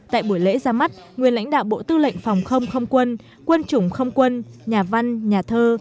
tại buổi lễ ra mắt nguyên lãnh đạo bộ tư lệnh phòng không không quân quân chủng không quân nhà văn nhà thơ